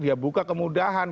dia buka kemudahan